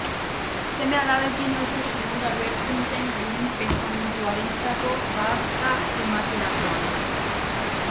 Seme-alabekin oso xuhur agertzen zen haien pentsamentuarentzako bazka ematerakoan.